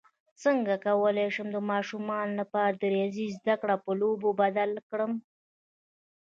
څنګه کولی شم د ماشومانو لپاره د ریاضي زدکړه په لوبو بدله کړم